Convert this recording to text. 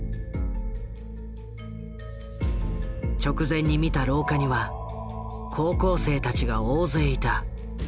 直前に見た廊下には高校生たちが大勢いた。